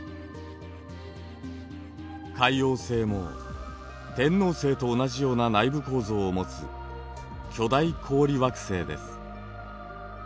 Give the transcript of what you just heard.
海王星も天王星と同じような内部構造を持つ巨大氷惑星です。